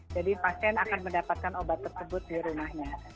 jadi pasien akan mendapatkan obat tersebut di rumahnya